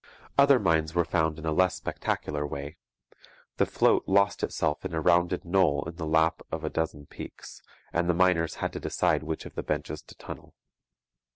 Other mines were found in a less spectacular way. The 'float' lost itself in a rounded knoll in the lap of a dozen peaks; and the miners had to decide which of the benches to tunnel.